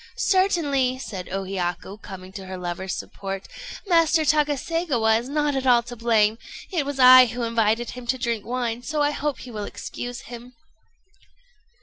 "Certainly," said O Hiyaku, coming to her lover's support, "Master Takaségawa is not at all to blame. It was I who invited him to drink wine; so I hope you will excuse him."